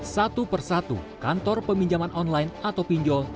satu persatu kantor peminjaman online atau pinjol